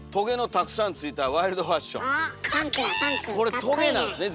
これとげなんですね